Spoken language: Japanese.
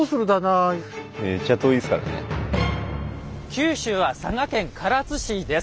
九州は佐賀県唐津市です。